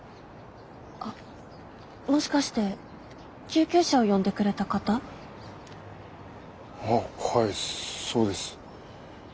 あっもしかして救急車を呼んでくれた方？ははいそうです。